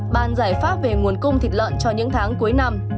bàn giải pháp về nguồn cung thịt lợn cho những tháng cuối năm